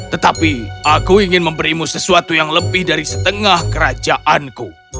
tetapi aku ingin memberimu sesuatu yang lebih dari setengah kerajaanku